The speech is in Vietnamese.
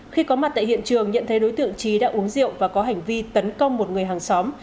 khi có mặt tại hiện trường nhận thấy đối tượng trí đã uống rượu và có hành vi tấn công một người hàng xóm